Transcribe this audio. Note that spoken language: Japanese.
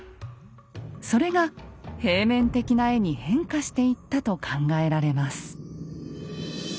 それが平面的な絵に変化していったと考えられます。